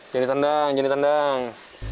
jadi tendang jadi tendang